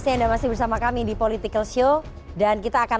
udah dicek gak ada perintah